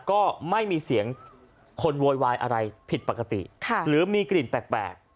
ก็ไม่มีเสียงคนโวยวายอะไรผิดปกติหรือมีกลิ่นแปลก